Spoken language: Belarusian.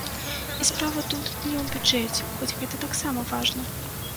І справа тут не ў бюджэце, хоць гэта таксама важна.